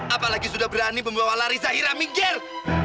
apalagi sudah berani membawa lari zahira minggir